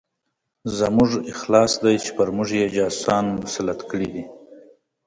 زموږ افلاس دی چې پر موږ یې جاسوسان مسلط کړي دي.